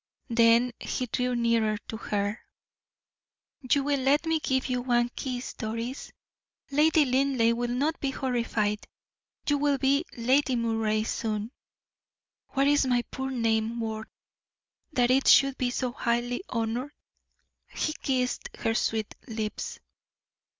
Then he drew nearer to her. "You will let me give you one kiss, Doris Lady Linleigh will not be horrified. You will be Lady Moray soon. What is my poor name worth, that it should be so highly honored?" He kissed her sweet lips.